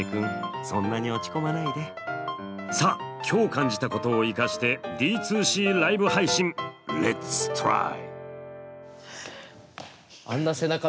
さあ今日感じたことを生かしてＤ２Ｃライブ配信Ｌｅｔ’ｓｔｒｙ！